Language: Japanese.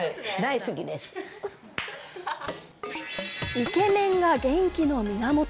イケメンが元気の源。